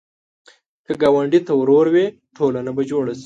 که ګاونډي ته ورور وې، ټولنه به جوړه شي